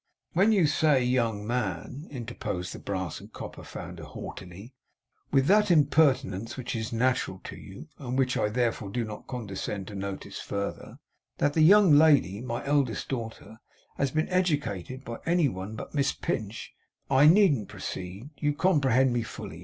'When you say, young man,' interposed the brass and copper founder, haughtily, 'with that impertinence which is natural to you, and which I therefore do not condescend to notice further, that the young lady, my eldest daughter, has been educated by any one but Miss Pinch, you I needn't proceed. You comprehend me fully.